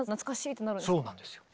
そうなんですよ。